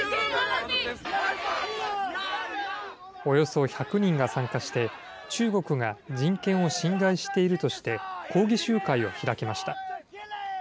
およそ１００人が参加して、中国が人権を侵害しているとして、抗議集会を開きました。